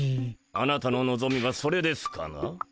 あなたののぞみはそれですかな？